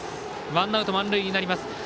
ワンアウト満塁になります。